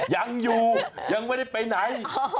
ยังอยู่ยังไม่ได้ไปไหน